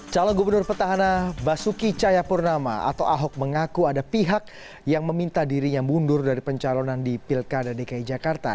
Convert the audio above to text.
calon gubernur petahana basuki cayapurnama atau ahok mengaku ada pihak yang meminta dirinya mundur dari pencalonan di pilkada dki jakarta